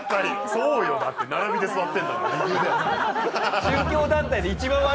そうよだって並びで座ってんだもん右腕。